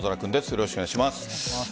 よろしくお願いします。